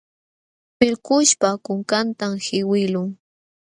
Pillkuśhpa kunkantam qiwiqlun.